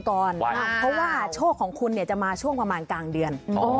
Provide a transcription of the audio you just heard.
เพราะว่าโชคของคุณจะมาช่วงประมาณกลางเดือน